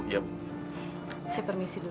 saya permisi dulu